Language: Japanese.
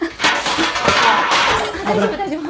大丈夫大丈夫。